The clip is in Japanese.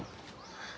あ。